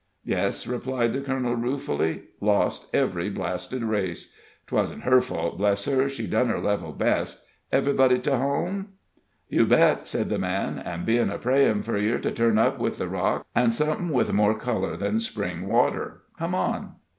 "Yes," replied the colonel, ruefully lost ev'ry blasted race. 'Twasn't her fault, bless her she done her level best. Ev'rybody to home?" "You bet," said the man. "All ben a prayin' for yer to turn up with the rocks, an' somethin' with more color than spring water. Come on."